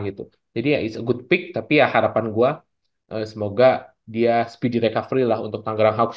gitu jadi ya it s a good pick tapi ya harapan gua semoga dia speedy recovery lah untuk tangga rahogs